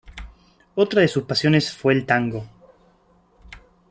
Otra de sus pasiones fue el tango.